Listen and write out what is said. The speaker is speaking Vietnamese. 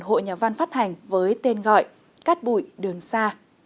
hội nhà văn phát hành với tên gọi cát bụi đường xa